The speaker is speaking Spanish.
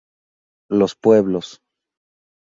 Los pueblos.